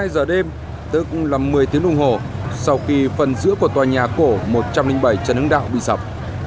hai giờ đêm tức là một mươi tiếng đồng hồ sau khi phần giữa của tòa nhà cổ một trăm linh bảy trần hưng đạo bị sập